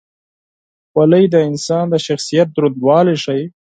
خولۍ د انسان د شخصیت دروندوالی ښيي.